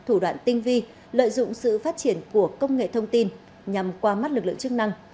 thủ đoạn tinh vi lợi dụng sự phát triển của công nghệ thông tin nhằm qua mắt lực lượng chức năng